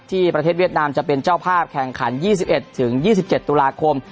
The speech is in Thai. ประเทศเวียดนามจะเป็นเจ้าภาพแข่งขัน๒๑๒๗ตุลาคม